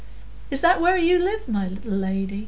"Is that where you live, my little lady?"